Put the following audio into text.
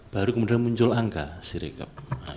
baru kemudian muncul angka siregap